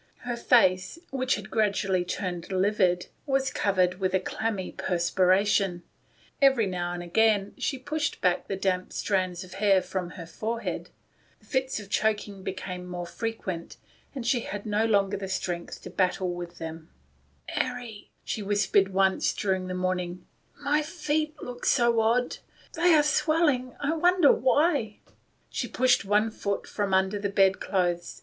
Her face, which had gradually turned livid, was covered with a clammy perspiration. Every now and again she pushed back the damp strands of hair from her forehead. The choking mucus in the chest was accumulating ; she had no longer the strength to pass it away. "Mary," she whispered once during the morning, " my hands look so horrid. They are swelling — I wonder why ?" She pushed one foot from under the bed clothes.